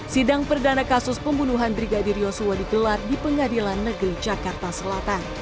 sidang perdana kasus pembunuhan brigadir yosua digelar di pengadilan negeri jakarta selatan